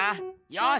よし！